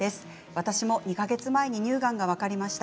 私も２か月前に乳がんが分かりました。